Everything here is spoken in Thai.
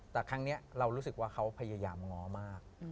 แต่ครั้งนี้เรารู้สึกว่าเขาพยายามง้อมาก